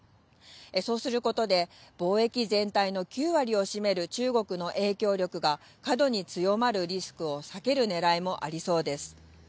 そうすることで、貿易全体の９割を占める中国の影響力が過度に強まるリスクを避けるねらいもありそうです。